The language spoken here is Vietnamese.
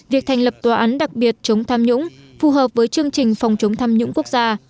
việc thành lập tòa án đặc biệt chống tham nhũng phù hợp với chương trình phòng chống tham nhũng quốc gia